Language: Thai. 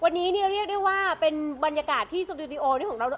วันนี้เนี่ยเรียกได้ว่าเป็นบรรยากาศที่สตูดิโอนี่ของเรา